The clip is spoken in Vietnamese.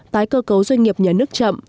tái cơ cấu doanh nghiệp nhà nước chậm